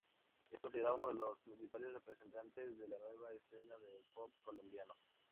Es considerado uno de los principales representantes de la nueva escena de pop colombiano.